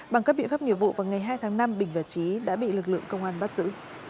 bằng các biện pháp nghiệp vụ vào ngày hai tháng năm bình và trí đã bị lực lượng công an bắt giữ